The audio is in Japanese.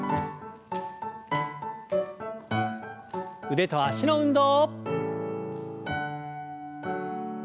腕と脚の運動。